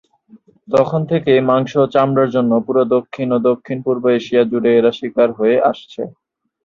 তখন থেকেই মাংস ও চামড়ার জন্য পুরো দক্ষিণ ও দক্ষিণ- পূর্ব এশিয়া জুড়ে এরা শিকার হয়ে আসছে।